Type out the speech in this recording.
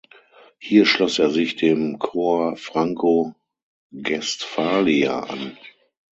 Hier schloss er sich dem Corps Franco-Guestphalia an.